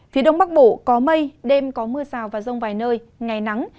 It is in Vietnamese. phía đông bắc bộ có mây đêm có mưa rào và rông vài nơi ngày nắng